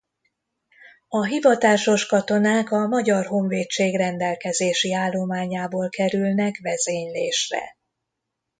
A hivatásos katonák a Magyar Honvédség rendelkezési állományából kerülnek vezénylésre.